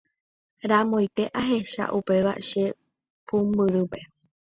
Ramoite ahecha upéva che pumbyrýpe.